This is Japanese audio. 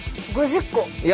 ５０個。